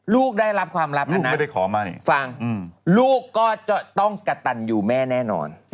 ลูกได้รับความลับอันนั้นฟังลูกก็จะต้องกระตันอยู่แม่แน่นอน